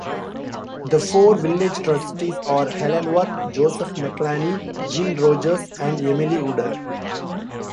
The four village trustees are Helen Worth, Joseph McLarney, Gene Rogers, and Emily Woodhead.